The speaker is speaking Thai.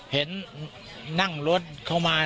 เห็นนั่งรถเข้ามา